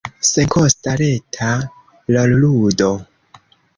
Senkosta, reta rolludo.